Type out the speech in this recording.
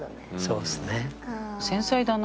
そうですね。